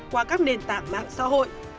qua các nền tảng mạng xã hội